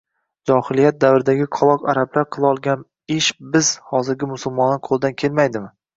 Johiliyat davridagi qoloq arablar qilolgan ish biz, hozirgi musulmonlarning qo‘lidan kelmaydimi?